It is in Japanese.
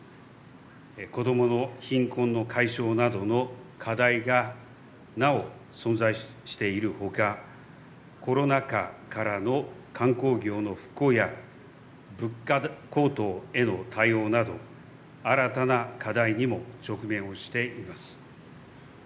子供の貧困の解消などの課題がなお存在しているほかコロナ禍からの観光業の復興や物価高騰への対応など新たな課題にも直面をしています。